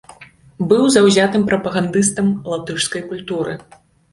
Быў заўзятым прапагандыстам латышскай культуры.